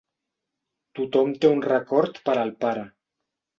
Tothom té un record per al pare.